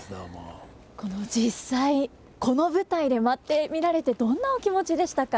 実際この舞台で舞ってみられてどんなお気持ちでしたか。